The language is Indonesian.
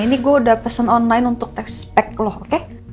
ini gue udah pesen online untuk test pack lo oke